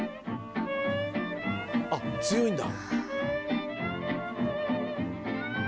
あっ強いんだ。